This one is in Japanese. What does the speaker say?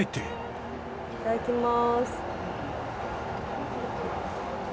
いただきます。